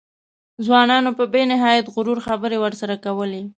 ځوانانو په بې نهایت غرور خبرې ورسره کولې.